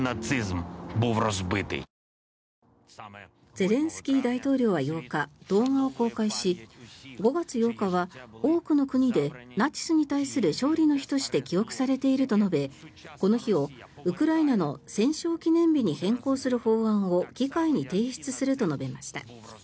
ゼレンスキー大統領は８日動画を公開し５月８日は多くの国でナチスに対する勝利の日として記憶されていると述べこの日をウクライナの戦勝記念日に変更する法案を議会に提出すると述べました。